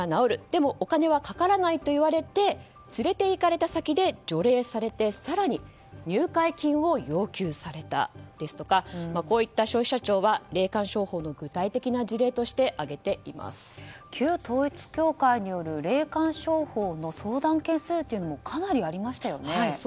でもお金はかからないと言われて連れていかれた先で除霊されて、更に入会金を要求されたですとか消費者庁は霊感商法の具体的な事例として旧統一教会による霊感商法の相談件数というのもかなりありましたよね。